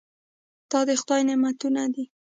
دا د خدای نعمتونه دي.